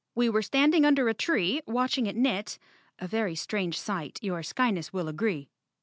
"We were standing under a tree, watching it knit—a very strange sight, your Skyness will agree."